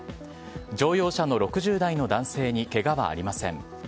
乗用車の６０代の男性にけがはありません。